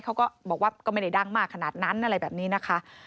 เขาก็บอกว่าก็ไม่ได้ดังมากขนาดนั้นอะไรแบบนี้นะคะ